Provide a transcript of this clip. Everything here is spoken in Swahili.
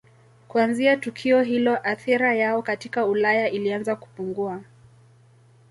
Kuanzia tukio hilo athira yao katika Ulaya ilianza kupungua.